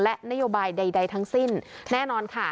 และนโยบายใดทั้งสิ้นแน่นอนค่ะ